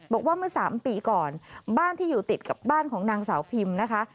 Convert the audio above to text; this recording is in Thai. บอกว่าเมื่อ๓ปีก่อนบ้านที่อยู่ติดกับบ้านของนางสาวพิมนะคะ